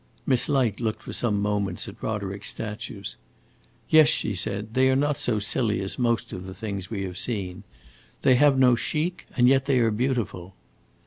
Miss Light looked for some moments at Roderick's statues. "Yes," she said, "they are not so silly as most of the things we have seen. They have no chic, and yet they are beautiful."